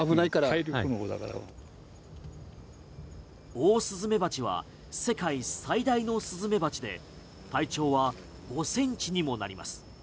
オオスズメバチは世界最大のスズメバチで体長は５センチにもなります。